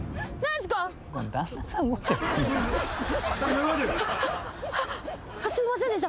すいませんでした。